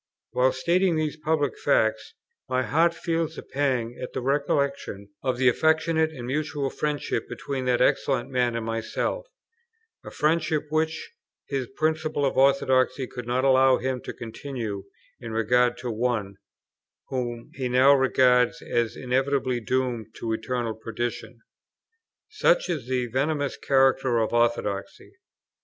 While stating these public facts, my heart feels a pang at the recollection of the affectionate and mutual friendship between that excellent man and myself; a friendship, which his principles of orthodoxy could not allow him to continue in regard to one, whom he now regards as inevitably doomed to eternal perdition. Such is the venomous character of orthodoxy.